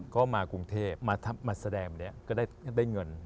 ก็มากรุงเทพมาแสดงเนี่ยก็ได้เงิน